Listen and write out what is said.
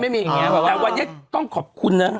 แต่ว่าตั้งขอบคุณนะ